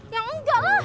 ya enggak lah